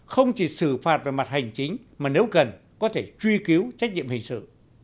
không chỉ xử phạt về mặt hành chính mà nếu cần có thể truy cứu trách nhiệm hình sự